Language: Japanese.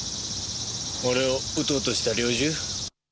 俺を撃とうとした猟銃？